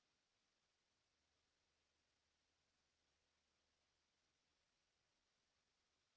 โปรดติดตามต่อไป